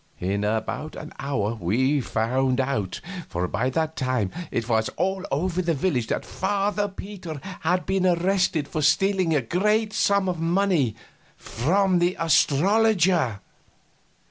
In about an hour we found out; for by that time it was all over the village that Father Peter had been arrested for stealing a great sum of money from the astrologer.